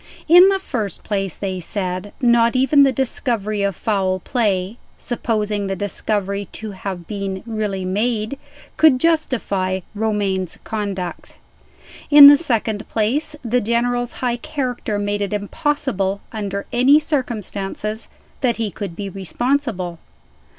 In the first place, they said, not even the discovery of foul play (supposing the discovery to have been really made) could justify Romayne's conduct. In the second place, the General's high character made it impossible, under any circumstances, that he could be responsible.